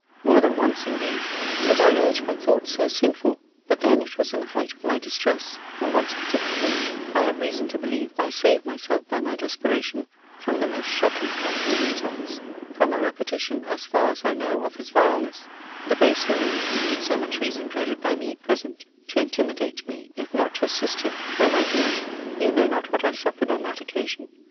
'More than once, indeed, was I urged by thoughts so sinful: but then it was in the height of my distress: and once, particularly, I have reason to believe, I saved myself by my desperation from the most shocking personal insults; from a repetition, as far as I know, of his vileness; the base women (with so much reason dreaded by me) present, to intimidate me, if not to assist him! O my dear, you know not what I suffered on that occasion!